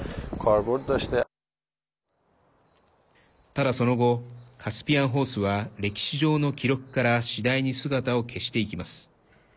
ただ、その後カスピアンホースは歴史上の記録から次第に姿を消していきます。